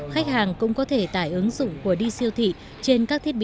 khách hàng cũng có thể tải ứng dụng của đi siêu thị